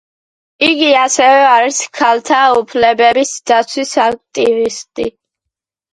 იგი ასევე არის ქალთა უფლებების დაცვის აქტივისტი.